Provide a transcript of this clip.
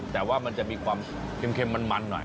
แต่ว่ามันจะมีความเค็มมันหน่อย